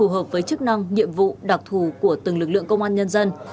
hợp với chức năng nhiệm vụ đặc thù của từng lực lượng công an nhân dân